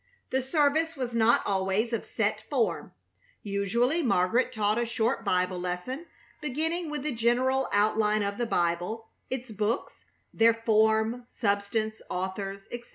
The service was not always of set form. Usually Margaret taught a short Bible lesson, beginning with the general outline of the Bible, its books, their form, substance, authors, etc.